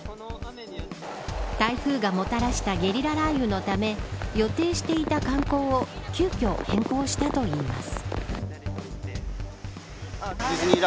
台風がもたらしたゲリラ雷雨のため予定していた観光を急きょ、変更したといいます。